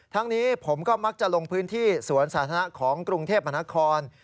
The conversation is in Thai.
นี้ผมก็มักจะลงพื้นที่สวนสาธารณะของกรุงเทพมหานคร